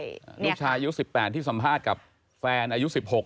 ลูกชายสารที่สัมภาษณ์กับแฟนอายุสิบหก